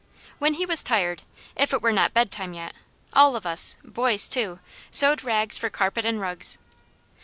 When he was tired, if it were not bedtime yet, all of us, boys too, sewed rags for carpet and rugs.